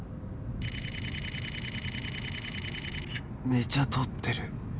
めちゃ撮ってる